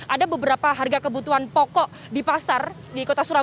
ada beberapa harga kebutuhan pokok di pasar di kota surabaya